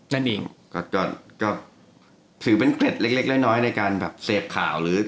นั่นเองก็ถือเป็นเกร็ดเล็กในการมีข่าว